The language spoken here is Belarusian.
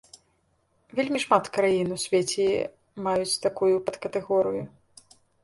Вельмі шмат краін у свеце маюць такую падкатэгорыю.